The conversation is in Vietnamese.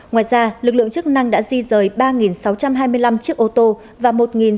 ngoài ra lực lượng chức năng đã di rời ba sáu trăm hai mươi năm chiếc ô tô và một sáu trăm bảy mươi năm